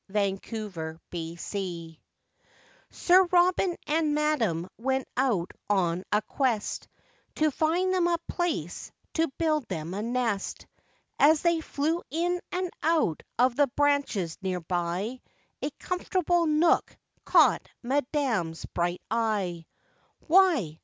MADAM REDBREAST Sir Robin and madam went out on a quest, To find them a place to build them a nest. As they flew in and out of the branches near by, A comfortable nook caught madam's bright eye, Why!